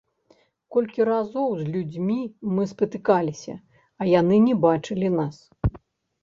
Колькі разоў з людзьмі мы спатыкаліся, а яны не бачылі нас!